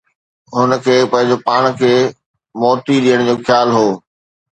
هن کي پنهنجو پاڻ کي موتي ڏيڻ جو خيال هو